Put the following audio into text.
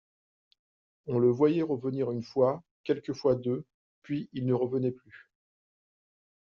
On le voyait revenir une fois, quelquefois deux, puis il ne revenait plus.